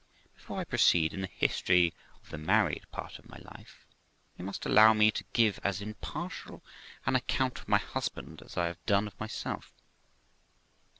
Before I proceed in the history of the married part of my life, you must allow me to give as impartial an account of my husband as I have done of myself.